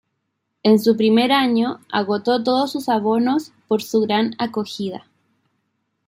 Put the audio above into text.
En su primer año agotó todos sus abonos por su gran acogida.